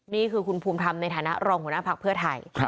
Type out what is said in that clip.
นี่คือคุณภูมิธรรมในฐานะรองหัวหน้าภักดิ์เพื่อไทย